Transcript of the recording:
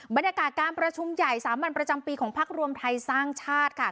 บรรยากาศการประชุมใหญ่สามัญประจำปีของพักรวมไทยสร้างชาติค่ะ